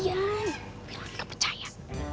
tapi lalu gak percaya